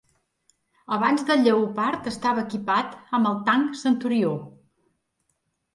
Abans del Lleopard estava equipat amb el tanc Centurió.